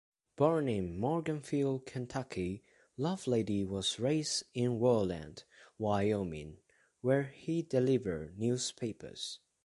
Born in Morganfield, Kentucky, Lovelady was raised in Worland, Wyoming, where he delivered newspapers.